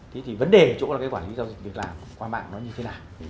thế thì vấn đề ở chỗ là cái quản lý giao dịch việc làm qua mạng nó như thế nào